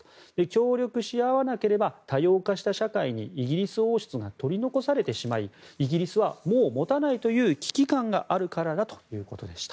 協力し合わなければ多様化した社会にイギリス王室が取り残されてしまいイギリスはもう持たないという危機感があるからだということでした。